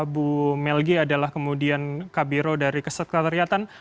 bu melgi adalah kemudian kabiro dari kesekretariatan